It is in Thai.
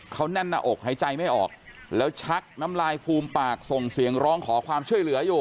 เขาแน่นหน้าอกหายใจไม่ออกแล้วชักน้ำลายฟูมปากส่งเสียงร้องขอความช่วยเหลืออยู่